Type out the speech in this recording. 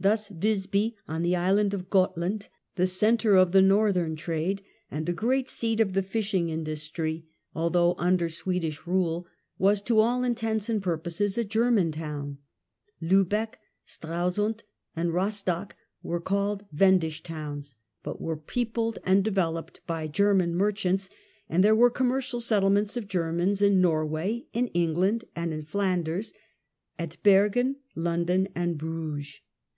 Thus Wisby on the Island of Gothland, thcments centre of the northern trade and a great seat of the fishing industry, although under Swedish rule, was to all intents and purposes a German town ; Liibeck, Stral sund and Eostock were called Wendish towns, but were peopled and developed by German merchants ; and there were commercial settlements of Germans in Norway, in England and in Flanders, at Bergen, London and Bruges.